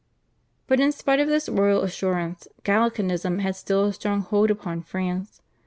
But in spite of this royal assurance, Gallicanism had still a strong hold upon France.